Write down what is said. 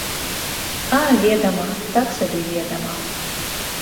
А, ведама, так сабе, ведама.